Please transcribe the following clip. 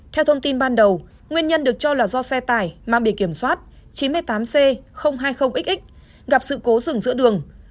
theo thông tin ban đầu nguyên nhân được cho là do xe tải mang bề kiểm soát chín mươi tám c hai mươi x gặp sự cố rừng giữa đường